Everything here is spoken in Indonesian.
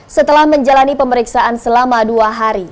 setelah menjalani pemeriksaan selama dua hari